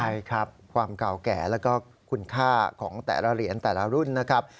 ใช่ครับความเก่าแก่แล้วก็คุณค่าของแต่ละเหรียญแต่ละรุ่นนะครับ